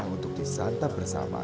untuk disantap bersama